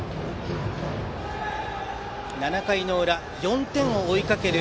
７回の裏、４点を追いかける